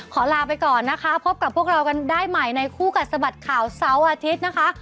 ขอลาไปก่อนนะคะพบกับพวกเรากันได้ใหม่ในคู่กัดสะบัดข่าวเสาร์อาทิตย์นะคะ